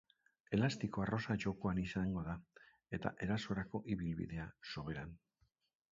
Elastiko arrosa jokoan izango da eta erasorako ibilbidea, soberan.